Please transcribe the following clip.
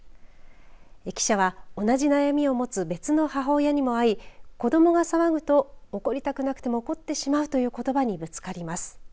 記者は同じ悩みを持つ別の母親にも会い子どもが騒ぐと怒りたくなくても怒ってしまうということばにぶつかります。